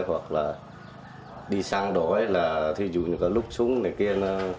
hoặc là đi sang đổi là thí dụ như có lúc súng này kia